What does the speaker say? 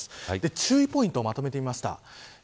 注意ポイントをまとめてみました。